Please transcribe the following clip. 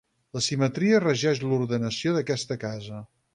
La simetria regeix l'ordenació d'aquesta casa.